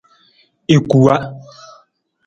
I kuwa.